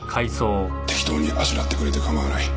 適当にあしらってくれて構わない。